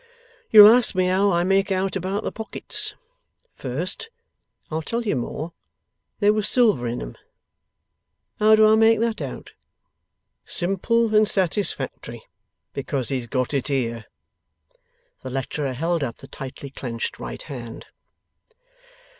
You'll ask me how I make out about the pockets? First, I'll tell you more; there was silver in 'em. How do I make that out? Simple and satisfactory. Because he's got it here.' The lecturer held up the tightly clenched right hand.